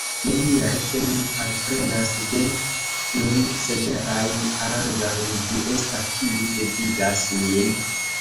Ne miru, ke mi alprenas de nun severajn aranĝojn: vi estas, kiu devigas min.